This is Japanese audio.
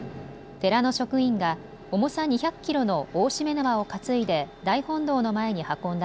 寺の職員が重さ２００キロの大しめ縄を担いで大本堂の前に運んだ